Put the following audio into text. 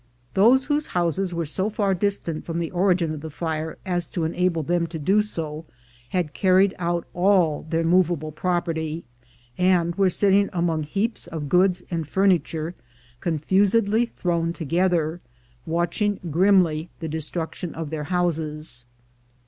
Those whose houses were so far distant from the origin of the fire as to enable them to do so, had carried out all their movable property, and were sitting among heaps of goods and furniture, confusedly thrown together, watching grimly the destruction of their houses.